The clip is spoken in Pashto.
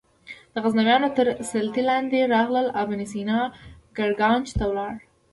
د غزنویانو تر سلطې لاندې راغلل ابن سینا ګرګانج ته ولاړ.